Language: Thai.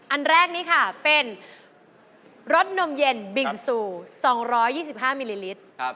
อันแรกนี้ค่ะเป็นรสนมเย็นบิงซู๒๒๕มิลลิลิตร